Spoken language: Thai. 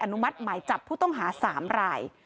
นุมัติหมายจับผู้ต้องหา๓ราย